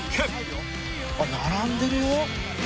あっ並んでるよ。